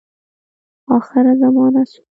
آخره زمانه سوه .